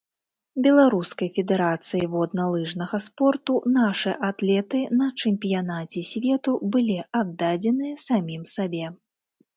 Беларускай федэрацыі водна-лыжнага спорту нашы атлеты на чэмпіянаце свету былі аддадзеныя самім сабе.